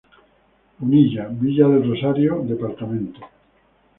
Punilla; Villa del Rosario, dpto.